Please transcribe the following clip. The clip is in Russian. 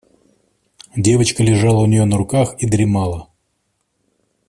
Девочка лежала у нее на руках и дремала.